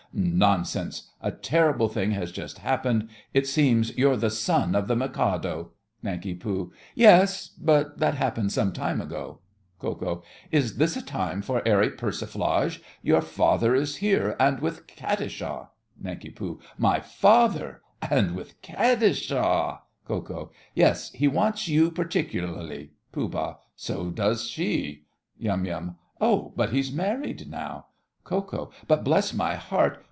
Nonsense! A terrible thing has just happened. It seems you're the son of the Mikado. NANK. Yes, but that happened some time ago. KO. Is this a time for airy persiflage? Your father is here, and with Katisha! NANK. My father! And with Katisha! KO. Yes, he wants you particularly. POOH. So does she. YUM. Oh, but he's married now. KO. But, bless my heart!